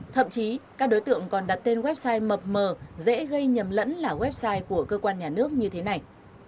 thậm chí các đối tượng còn đặt tên website mập mờ dễ gây nhầm lẫn là website của cơ quan nhà nước như thế này